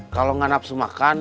kalau gak nafsu makan